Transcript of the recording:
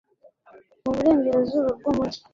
mu burengerazuba bw'umugi